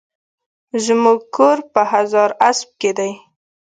زموکور په هزاراسپ کی دي